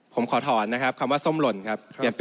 ผมขอถอนนะครับคำว่าส้มหล่นครับ